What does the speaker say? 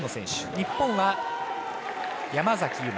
日本は山崎悠麻